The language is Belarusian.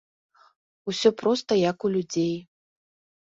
Усё проста як у людзей.